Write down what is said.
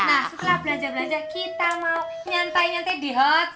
nah setelah belanja belanja kita mau nyantai nyantai di hot